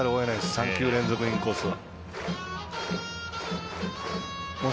３球連続インコースは。